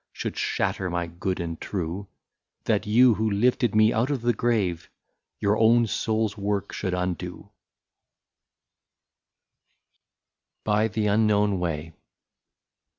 Should shatter my good and true ; That you who lifted me out of the grave, Your own soul's work should undo/' 66 BY THE UNKNOWN WAY.